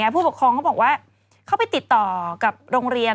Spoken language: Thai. ผู้ปกครองเขาบอกว่าเขาไปติดต่อกับโรงเรียน